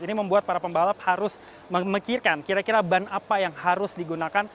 ini membuat para pembalap harus memikirkan kira kira ban apa yang harus digunakan